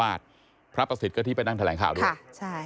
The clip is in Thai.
และเรียกพระประสิทธิ์ก็ที่ไปนั่งแถลงข้าวด้วย